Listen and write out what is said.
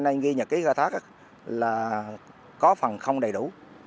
nên ghi nhật ký khai thác là có phần không đầy đủ